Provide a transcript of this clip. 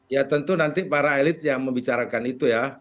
ya tentu nanti para elit yang membicarakan itu ya